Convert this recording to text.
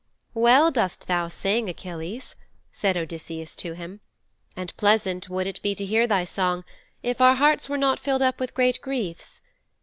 "' '"Well dost thou sing, Achilles," said Odysseus to him, "and pleasant would it be to hear thy song if our hearts were not filled up with great griefs.